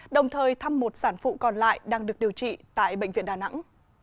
đồng thời thăm một sản phụ còn lại đang được điều trị tại bệnh viện đà nẵng